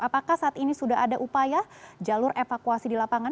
apakah saat ini sudah ada upaya jalur evakuasi di lapangan